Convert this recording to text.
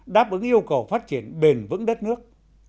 đáp ứng yêu cầu phát triển bền vững đất nước